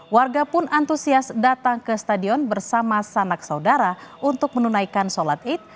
warga pun antusias datang ke stadion bersama sanak saudara untuk menunaikan sholat id